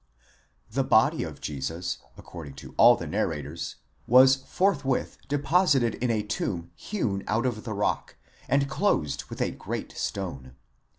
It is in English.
The body of Jesus, according to all the narrators, was forthwith deposited in a tomb hewn out of a rock, and closed with a great stone.